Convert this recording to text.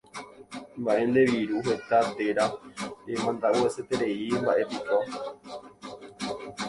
Mba'e nde viru heta térã remandaguasuetereímba'epiko.